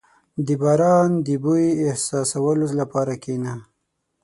• د باران د بوی احساسولو لپاره کښېنه.